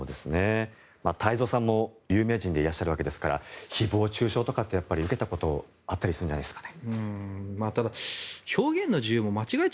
太蔵さんも有名人でいらっしゃるわけですから誹謗・中傷とかってやっぱり受けたことあったりするんじゃないですか。